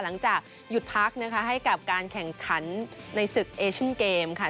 หลังจากหยุดพักนะคะให้กับการแข่งขันในศึกเอเชียนเกมค่ะ